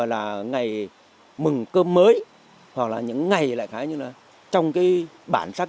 để người nghe cảm nhận được sự mượt mà trong câu hát